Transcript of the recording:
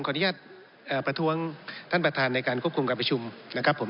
อนุญาตประท้วงท่านประธานในการควบคุมการประชุมนะครับผม